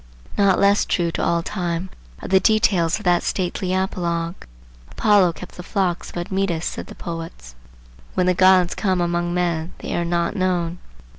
Not less true to all time are the details of that stately apologue. Apollo kept the flocks of Admetus, said the poets. When the gods come among men, they are not known.